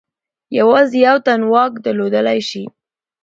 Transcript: یوازې یو تن واک درلودلای شي.